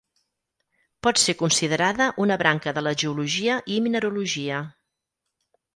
Pot ser considerada una branca de la geologia i mineralogia.